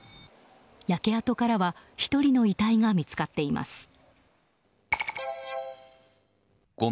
焼け跡からは１人の遺体が見つかっています。